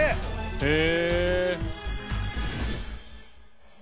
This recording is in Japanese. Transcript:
へえ。